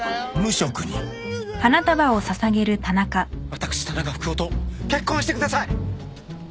私田中福男と結婚してください！